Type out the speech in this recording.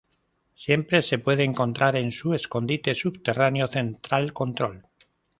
Siempre se puede encontrar en su escondite subterráneo, "Central Control.